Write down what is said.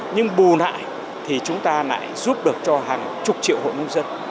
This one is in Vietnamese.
nhưng bù nại thì chúng ta lại giúp được cho hàng chục triệu hội nông dân